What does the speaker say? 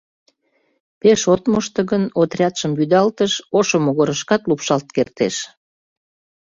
Пеш от мошто гын — отрядшым вӱдалтыш, ошо могырышкат лупшалт кертеш...